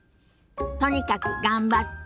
とにかく頑張って。